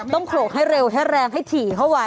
โขลกให้เร็วให้แรงให้ถี่เข้าไว้